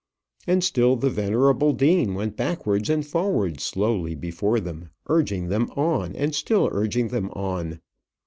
And still the venerable dean went backwards and forwards slowly before them, urging them on, and still urging them on.